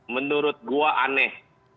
menurut gua aneh